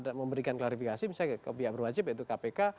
dan memberikan klarifikasi misalnya ke biaya berwajib yaitu kpk